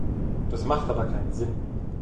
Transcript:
Das macht aber keinen Sinn.